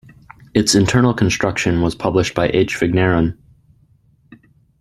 Its internal construction was published by H. Vigneron.